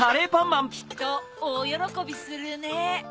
きっとおおよろこびするね。